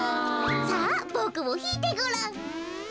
さあボクもひいてごらん。